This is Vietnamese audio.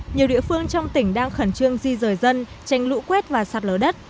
nhiều địa phương trong tỉnh đang khẩn trương di rời dân tranh lũ quét và sạt lở đất